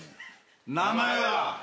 名前は？